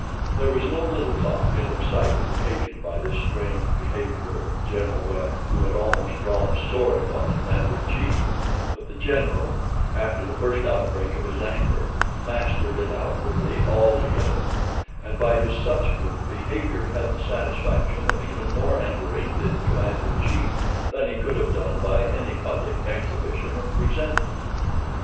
There was no little talk and excitement occasioned by this strange behavior of General Webb, who had almost drawn a sword upon the Commander in Chief; but the General, after the first outbreak of his anger, mastered it outwardly altogether; and, by his subsequent behavior, had the satisfaction of even more angering the Commander in Chief, than he could have done by any public exhibition of resentment.